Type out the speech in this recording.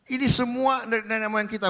ini semua dari nama kita